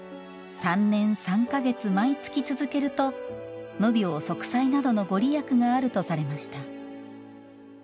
３年３か月、毎月続けると無病息災などの御利益があるとされました。